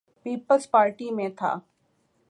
Peoples Party میں تھا۔